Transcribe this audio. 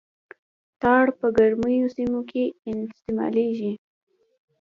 ټار په ګرمو سیمو کې نه استعمالیږي